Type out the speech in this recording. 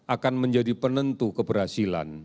akan menjadi penentu keberhasilan